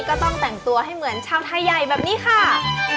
ก็ต้องแต่งตัวให้เหมือนชาวไทยใหญ่แบบนี้ค่ะ